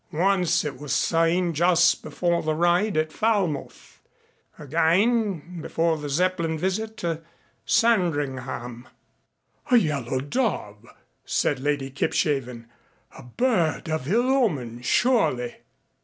Once it was seen just before the raid at Falmouth, again before the Zeppelin visit to Sandringham." "A yellow dove!" said Lady Kipshaven. "A bird of ill omen, surely."